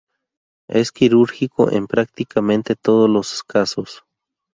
Es quirúrgico en prácticamente todos los casos.